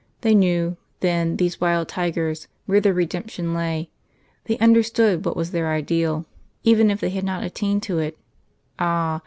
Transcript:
They knew, then, these wild tigers, where their redemption lay; they understood what was their ideal, even if they had not attained to it. Ah!